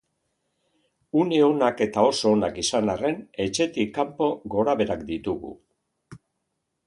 Une onak eta oso onak izan arren, etxetik kanpo gorabeherak ditugu.